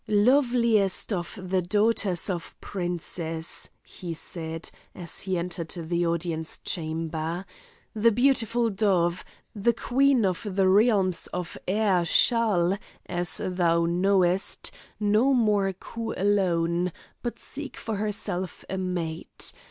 "Loveliest of the daughters of princes," he said, as he entered the audience chamber, "the beautiful dove, the queen of the realms of air shall, as thou knowest, no more coo alone, but seek for herself a mate.